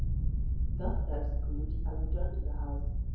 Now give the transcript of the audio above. Thus self schooled, I returned to the house.